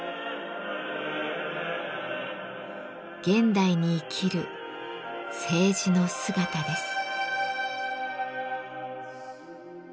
現代に生きる青磁の姿です。